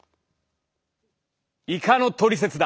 「イカのトリセツ」だ。